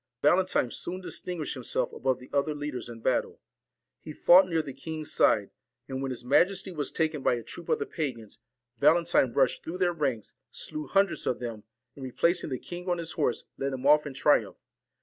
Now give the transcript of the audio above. Valen tine soon distinguished himself above the other leaders in battle. He fought near the king's side ; and when his majesty was taken by a troop of the pagans, Valentine rushed through their ranks, slew hundreds of them, and replacing the king on his horse, led him off in triumph.